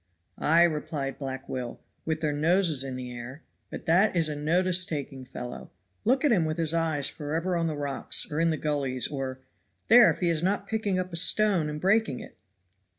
"Ay," replied Black Will, "with their noses in the air. But that is a notice taking fellow. Look at him with his eyes forever on the rocks, or in the gullies, or there if he is not picking up a stone and breaking it!"